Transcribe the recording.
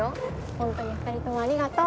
ホントに２人ともありがとう。